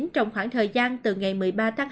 trong khoảng thời gian từ ngày một tháng một